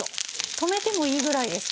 止めてもいいぐらいですか？